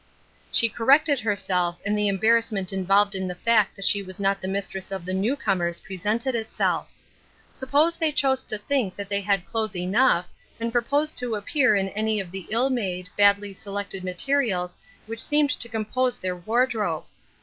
She corrected herself, and the embarrassment involved in the fact that she was not the mistress of the new comers presented itself. Suppose they chose to think they had clothes enough, and proposed to appear in any of the ill made, badly selected materials which seemed to compose their wardrobe